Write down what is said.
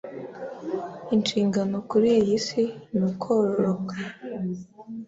inshingano kuri iy’Isi ni ukororoka,